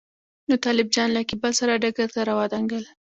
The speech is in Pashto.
نو طالب جان له کېبل سره ډګر ته راودانګل.